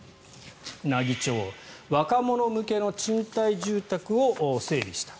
奈義町は若者向けの賃貸住宅を整備した。